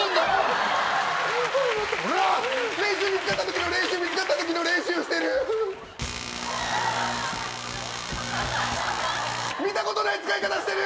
練習見つかったときの練習見つかったときの練習してる見たことない使い方してる！